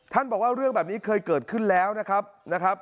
บอกว่าเรื่องแบบนี้เคยเกิดขึ้นแล้วนะครับ